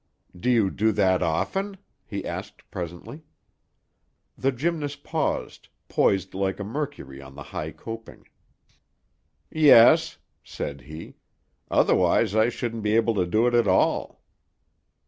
"Do you do that often?" he asked presently. The gymnast paused, poised like a Mercury on the high coping. "Yes," said he. "Otherwise I shouldn't be able to do it at all."